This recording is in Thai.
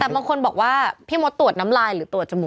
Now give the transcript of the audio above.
แต่บางคนบอกว่าพี่มดตรวจน้ำลายหรือตรวจจมูก